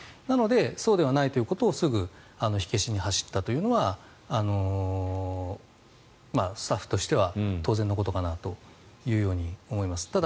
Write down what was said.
なのでそうでないということをすぐ火消しに走ったというのはスタッフとしては当然のことかなと思います。